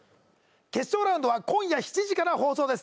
決勝ラウンドは今夜７時から放送です。